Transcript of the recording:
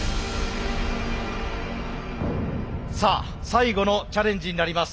さあ最後のチャレンジになります。